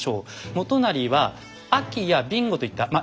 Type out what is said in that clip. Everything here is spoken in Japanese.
元就は安芸や備後といったまあ